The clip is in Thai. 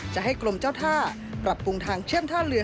จะให้กรมเจ้าท่าปรับปรุงทางเชื่อมท่าเรือ